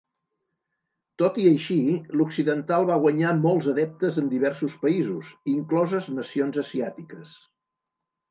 Tot i així l'occidental va guanyar molts adeptes en diversos països, incloses nacions asiàtiques.